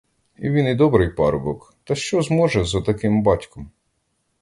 Він і добрий парубок, та що зможе з отаким батьком?